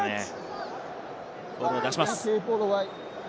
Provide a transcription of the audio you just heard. ボールを出します。